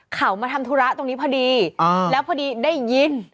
เขามาทำธุระตรงนี้พอดีแล้วพอดีได้ยิน